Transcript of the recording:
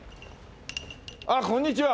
あっこんにちは。